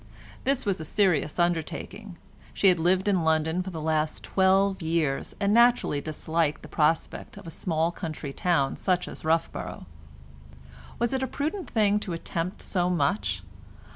This was a serious undertaking; she had lived in London for the last twelve years, and naturally disliked the prospect of a small country town such as Roughborough. Was it a prudent thing to attempt so much?